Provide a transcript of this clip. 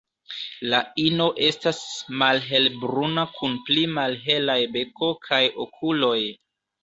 La ino estas malhelbruna kun pli malhelaj beko kaj okuloj.